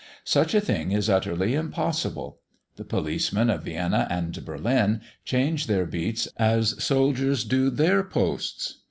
Such a thing is utterly impossible. The policemen of Vienna and Berlin change their beats as soldiers do their posts.